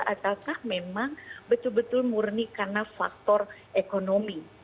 ataukah memang betul betul murni karena faktor ekonomi